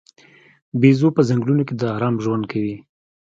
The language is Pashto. بیزو په ځنګلونو کې د آرام ژوند کوي.